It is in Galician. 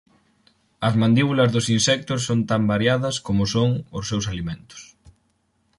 As mandíbulas dos insectos son tan variadas como o son os seus alimentos.